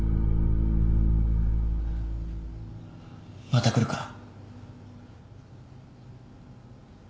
また来るから。